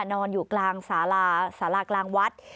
นอนอยู่กลางสาราสารากลางวัด